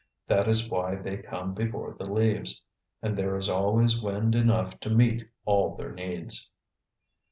That is why they come before the leaves. And there is always wind enough to meet all their needs.